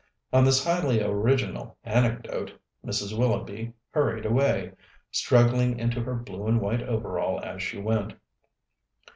On this highly original anecdote Mrs. Willoughby hurried away, struggling into her blue and white overall as she went.